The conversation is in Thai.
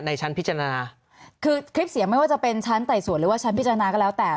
ชั้นพิจารณาคือคลิปเสียงไม่ว่าจะเป็นชั้นไต่สวนหรือว่าชั้นพิจารณาก็แล้วแต่